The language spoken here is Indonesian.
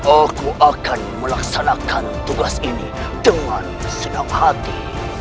aku akan melaksanakan tugas ini dengan sedap hati